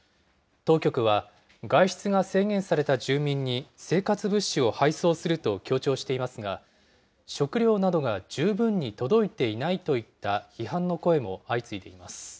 当局は、外出が制限された住民に、生活物資を配送すると強調していますが、食料などが十分に届いていないといった批判の声も相次いでいます。